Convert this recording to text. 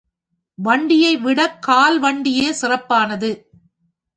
வண்டியைவிடக் கால் வண்டியே சிறப்பானது.